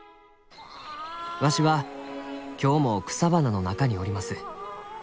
わしは今日も草花の中におります」。